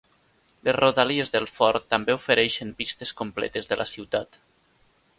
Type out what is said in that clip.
Les rodalies del fort també ofereixen vistes completes de la ciutat.